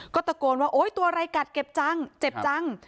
ก็ตะโกนว่าโอ๊ยตัวอะไรกัดเก็บจังเจ็บจัง